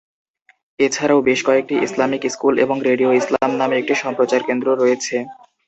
এছাড়াও বেশ কয়েকটি ইসলামিক স্কুল এবং রেডিও ইসলাম নামে একটি সম্প্রচার কেন্দ্র রয়েছে।